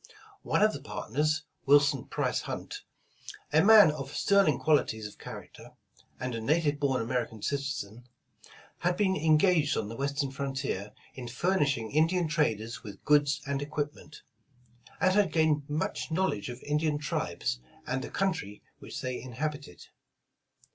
One of the partners, Wilson Price Hunt, a man of sterling qualities of character, and a native born American citizen, had been engaged on the western frontier in furnishing Indian traders with 157 The Original John Jacab Astor goods and equipment, and had gained much knowledge of Indian tribes, and the country which they inhabited.